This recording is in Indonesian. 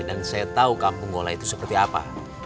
dan saya tau kampung gole itu seperti apa